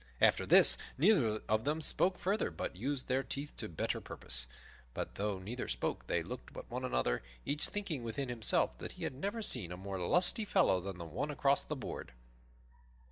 After this, neither of them spoke further, but used their teeth to better purpose. But though neither spoke, they looked at one another, each thinking within himself that he had never seen a more lusty fellow than the one across the board.